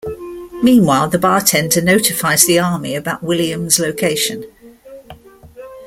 Meanwhile, the bartender notifies the army about Williams' location.